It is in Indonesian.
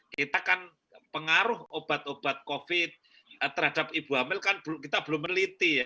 kita kan pengaruh obat obat covid terhadap ibu hamil kan kita belum meneliti ya